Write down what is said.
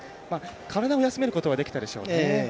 体を休めることはできたでしょうね。